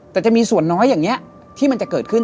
แต่จะมีส่วนน้อยอย่างนี้ที่มันจะเกิดขึ้น